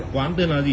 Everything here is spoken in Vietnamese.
quán tên là gì